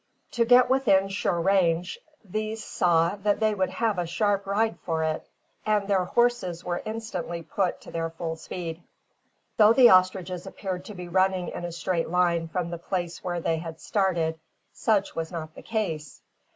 To get within sure range, these saw that they would have a sharp ride for it, and their horses were instantly put to their full speed. Though the ostriches appeared to be running in a straight line from the place where they had started, such was not the case.